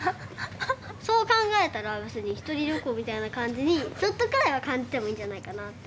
そう考えたら別にひとり旅行みたいな感じにちょっとくらいは感じてもいいんじゃないかなって。